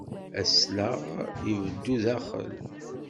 Aslaɣ ibeddu daxel.